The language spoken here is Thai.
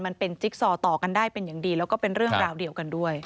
จิ๊กซอต่อกันได้เป็นอย่างดีแล้วก็เป็นเรื่องราวเดียวกันด้วย